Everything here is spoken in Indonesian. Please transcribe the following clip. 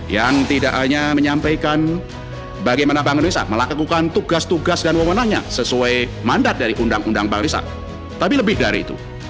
yang tidak hanya menyampaikan bagaimana bank indonesia melakukan tugas tugas dan wawonannya sesuai mandat dari undang undang bank riset tapi lebih dari itu